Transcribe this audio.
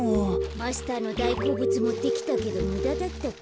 マスターのだいこうぶつもってきたけどむだだったか。